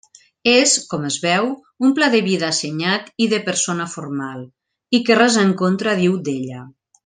És, com es veu, un pla de vida assenyat i de persona formal, i que res en contra diu d'ella.